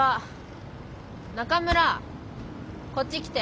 中村こっち来て。